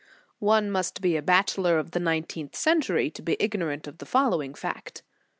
* One must be a Bachelor of the nineteenth century to be ignorant of the following fact.